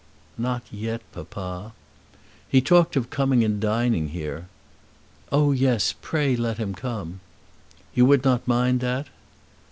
"Not yet, papa." "He talked of coming and dining here." "Oh yes; pray let him come." "You would not mind that?"